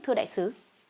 thưa đại sứ